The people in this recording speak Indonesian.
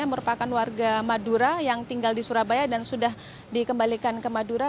yang merupakan warga madura yang tinggal di surabaya dan sudah dikembalikan ke madura